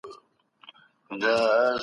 خپل هیواد ته د علم له لاري خدمت وکړئ.